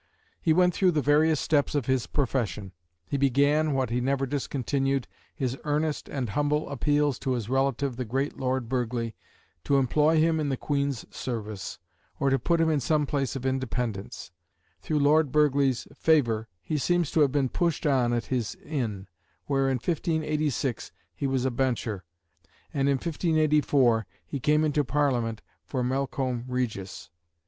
He went through the various steps of his profession. He began, what he never discontinued, his earnest and humble appeals to his relative the great Lord Burghley, to employ him in the Queen's service, or to put him in some place of independence: through Lord Burghley's favour he seems to have been pushed on at his Inn, where, in 1586, he was a Bencher; and in 1584 he came into Parliament for Melcombe Regis.